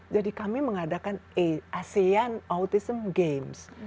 jadi kami mengadakan asian autism games